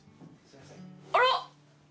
あら！